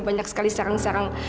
banyak sekali serang serang